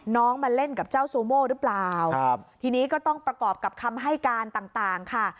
มาเล่นกับเจ้าซูโม่หรือเปล่าครับทีนี้ก็ต้องประกอบกับคำให้การต่างต่างค่ะ